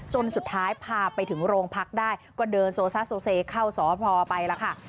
จนสุดท้ายพาไปถึงโรงพักได้ก็เดินโซซ่าโซเซเข้าสพไปแล้วค่ะ